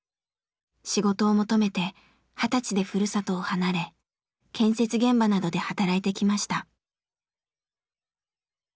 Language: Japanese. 仕事を求めて二十歳でふるさとを離れ建設現場などで働いてきました。